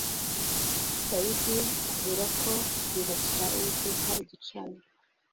Dawidi aherako yubakira Uwiteka igicaniro